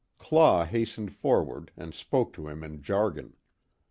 Claw hastened forward, and spoke to him in jargon.